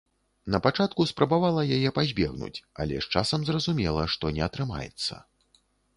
На пачатку спрабавала яе пазбегнуць, але з часам зразумела, што не атрымаецца.